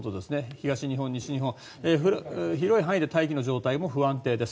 東日本、西日本、広い範囲で大気の状態も不安定です。